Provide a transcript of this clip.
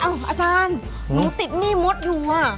อาจารย์หนูติดหนี้มดอยู่